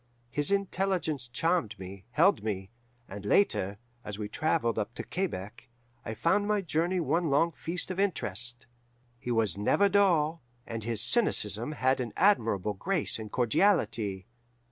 His intelligence charmed me, held me, and, later, as we travelled up to Quebec, I found my journey one long feast of interest. He was never dull, and his cynicism had an admirable grace and cordiality.